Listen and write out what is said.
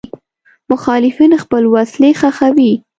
مخالفین خپل وسلې ښخوي.